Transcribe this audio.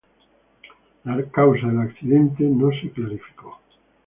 La causa del accidente no se clarificó.